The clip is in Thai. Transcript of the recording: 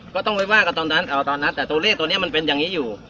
ก็ต้องไปว่ากันตอนนั้นเอาตอนนั้นแต่ตัวเลขตัวนี้มันเป็นอย่างนี้อยู่